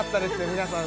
皆さん